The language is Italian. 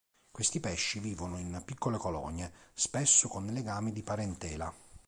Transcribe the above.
Questi pesci vivono in piccole colonie, spesso con legami di parentela.